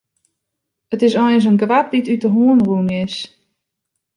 It is eins in grap dy't út de hân rûn is.